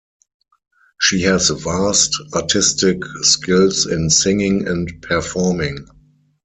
She has vast artistic skills in singing and performing.